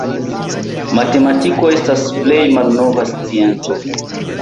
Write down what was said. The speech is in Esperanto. Matematiko estas plej malnova scienco.